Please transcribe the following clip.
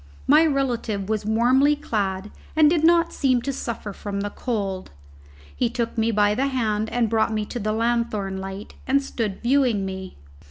My relative was warmly clad and did not seem to suffer from the cold. He took me by the hand and brought me to the lanthorn light, and stood viewing me.